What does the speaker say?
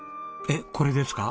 えっこれですか？